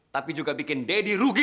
tapi juga bikin deddy rugi